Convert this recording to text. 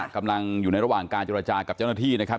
กำลังอยู่ในระหว่างการเจรจากับเจ้าหน้าที่นะครับ